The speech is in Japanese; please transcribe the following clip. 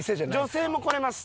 女性も来れます。